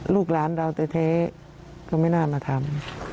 ลูกหลานเราแท้ก็ไม่น่ามาทำ